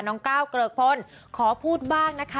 ก้าวเกริกพลขอพูดบ้างนะคะ